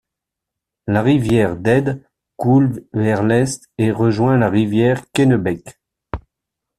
La rivière Dead coule vers l'est et rejoint la rivière Kennebec.